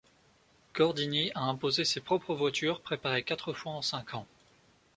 Gordini a imposé ses propres voitures préparées quatre fois en cinq ans.